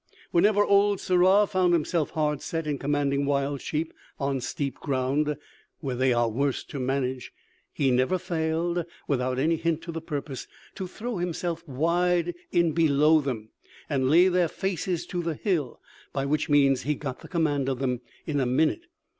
Whenever old Sirrah found himself hard set in commanding wild sheep on steep ground, where they are worst to manage, he never failed, without any hint to the purpose, to throw himself wide in below them, and lay their faces to the hill, by which means he got the command of them in a minute.